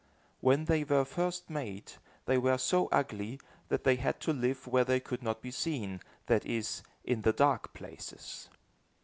When they were first made, they were so ugly, that they had to live where they could not be seen, that is, in the dark places.